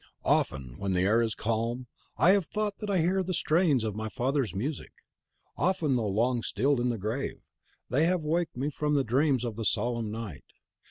.... "Often, when the air is calm, I have thought that I hear the strains of my father's music; often, though long stilled in the grave, have they waked me from the dreams of the solemn night.